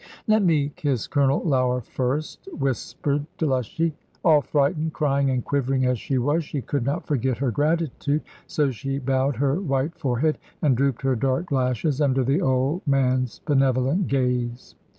"Let me kiss Colonel Lougher first," whispered Delushy; all frightened, crying, and quivering as she was, she could not forget her gratitude. So she bowed her white forehead, and drooped her dark lashes under the old man's benevolent gaze.